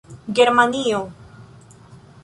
Germanio